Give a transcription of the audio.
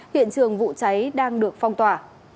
hiện trường vụ cháy đang được phong tỏa